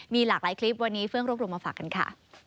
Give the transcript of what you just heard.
มีหลากหลายคลิปวันนี้เฟื้องรวบรวมมาฝากกันค่ะ